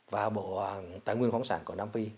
và bộ tài nguyên khoáng sản của nam phi